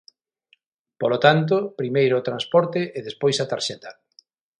Polo tanto, primeiro o transporte e despois a tarxeta.